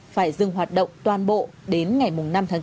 phải dừng hoạt động toàn bộ đến ngày mùng